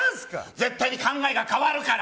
絶対に考えが変わるから。